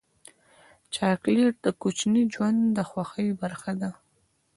چاکلېټ د کوچني ژوند د خوښۍ برخه ده.